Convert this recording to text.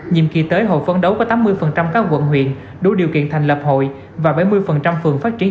nhiệm kỳ tới hội phấn đấu có tám mươi các quận huyện đủ điều kiện thành lập hội và bảy mươi phường phát triển